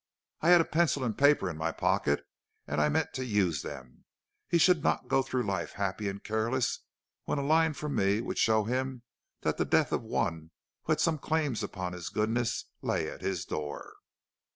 I had a pencil and paper in my pocket, and I meant to use them. He should not go through life happy and careless, when a line from me would show him that the death of one who had some claims upon his goodness, lay at his door.